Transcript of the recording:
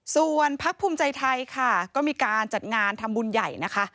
ส่วนพักภูมิใจไทยค่ะก็มีการจัดงานทำบุญใหญ่นะคะ